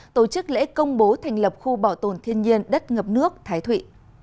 tổ chức lễ công bố thành lập khu bảo tồn thiên nhiên đất ngập nước thái thụy